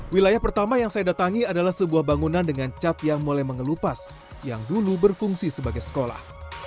wilayah pertama yang saya datangi adalah sebuah bangunan dengan cat yang mulai mengelupas yang dulu berfungsi sebagai sekolah